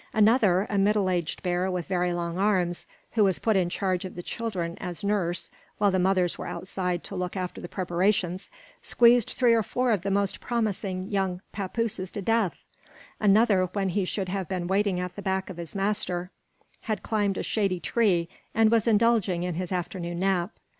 Another, a middle aged bear with very long arms, who was put in charge of the children as nurse while the mothers were outside to look after the preparations, squeezed three or four of the most promising young papooses to death; another, when he should have been waiting at the back of his master, had climbed a shady tree and was indulging in his afternoon nap.